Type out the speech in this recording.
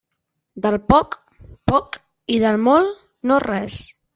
Del poc, poc, i del molt, no res.